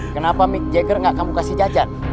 kenapa mick jagger gak kamu kasih jajan